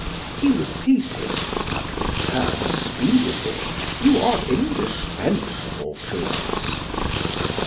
He repeated: "But return speedily, you are indispensable to us."